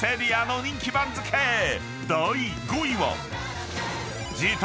［第５位は］